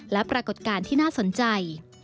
และปรากฏการณ์ที่น่าสนใจ